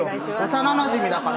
幼なじみだから。